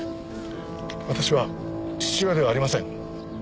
私は父親ではありません。